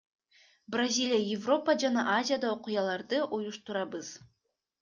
Бразилия, Европа жана Азияда окуяларды уюштурабыз.